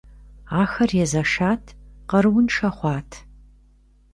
Ахэр езэшат, къарууншэ хъуат.